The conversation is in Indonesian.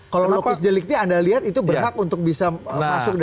kalau lokus deliktinya anda lihat itu berhak untuk bisa masuk dan diklena